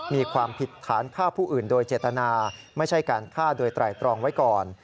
มีความผิดฐานฆ่าผู้อื่นโดยเจตนาไม่ใช่การฆ่าโดยไตรตรองไว้ก่อน